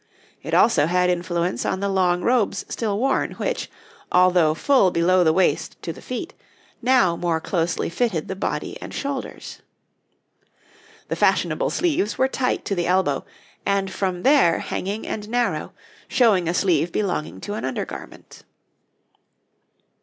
It also had influence on the long robes still worn, which, although full below the waist to the feet, now more closely fitted the body and shoulders. The fashionable sleeves were tight to the elbow, and from there hanging and narrow, showing a sleeve belonging to an undergarment.